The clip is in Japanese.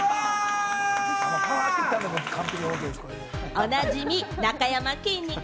おなじみ、なかやまきんに君。